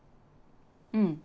うん。